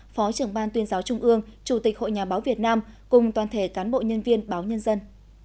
phó trưởng ban tuyên giáo trung ương chủ tịch hội nhà báo việt nam cùng toàn thể cán bộ nhân viên báo nhân dân